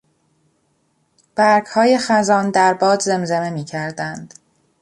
برگهای خزان در باد زمزمه میکردند.